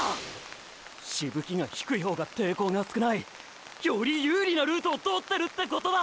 しぶきが低い方が抵抗が少ない！より有利なルートを通ってるってことだ！！